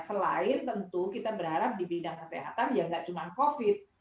selain tentu kita berharap di bidang kesehatan ya nggak cuma covid